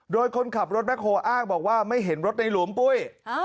โดยคนขับรถแบ็คโฮอ้างบอกว่าไม่เห็นรถในหลุมปุ้ย